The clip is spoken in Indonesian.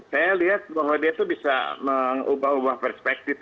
saya lihat bahwa dia itu bisa mengubah ubah perspektif